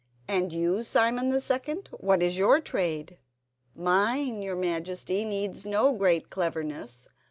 "And you, Simon the second, what is your trade?" "Mine, your Majesty, needs no great cleverness.